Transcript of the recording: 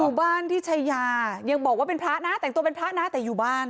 อยู่บ้านที่ชายายังบอกว่าเป็นพระนะแต่งตัวเป็นพระนะแต่อยู่บ้าน